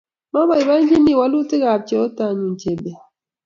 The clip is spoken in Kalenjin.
Mabaibaichi walutikab cheotonyu chebet